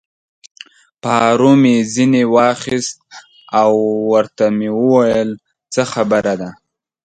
پارو مې ځینې واخیست او ورته مې وویل: څه خبره ده؟